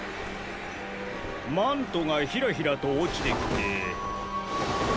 マントがひらひらとおちてきて。